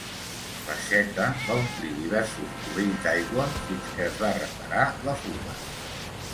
L'aixeta va omplir diversos cubells d'aigua, fins que es va reparar la fuga.